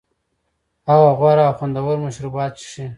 هغه غوره او خوندور مشروبات څښي